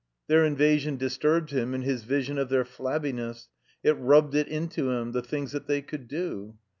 Their invasion disturbed him in his vision of their flabbiness; it rubbed it into him, the things that they cotdd do.